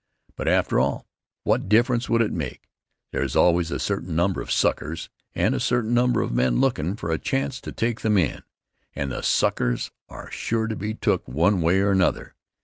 But, after all, what difference would it make? There's always a certain number of suckers and a certain number of men lookin' for a chance to take them in, and the suckers are sure to be took one way or another.